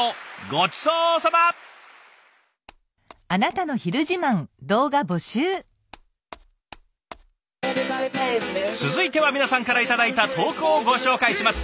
続いては皆さんから頂いた投稿をご紹介します。